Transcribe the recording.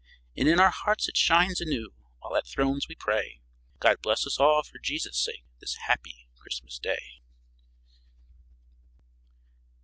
"And in our hearts it shines anew, While at His throne we pray, God bless us all for Jesus' sake, This happy Christmas day."